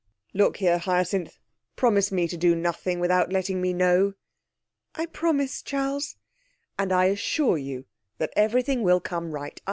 'Look here, Hyacinth, promise me to do nothing without letting me know.' 'I promise, Charles.' 'And I assure you that everything will come right.